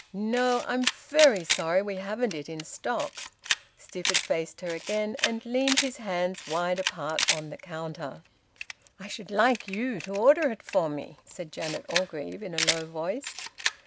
No, I'm very sorry, we haven't it in stock." Stifford faced her again, and leaned his hands wide apart on the counter. "I should like you to order it for me," said Janet Orgreave in a low voice.